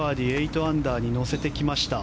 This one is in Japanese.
８アンダーに乗せてきました。